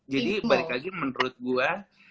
jadi balik lagi menurut gue